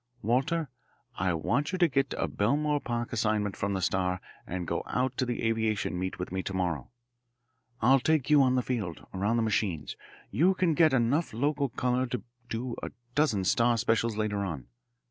Walter, I want you to get a Belmore Park assignment from the Star and go out to the aviation meet with me to morrow. I'll take you on the field, around the machines you can get enough local colour to do a dozen Star specials later on.